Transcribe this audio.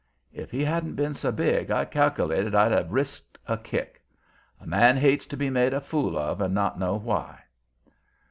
If he hadn't been so big I cal'lated I'd have risked a kick. A man hates to be made a fool of and not know why.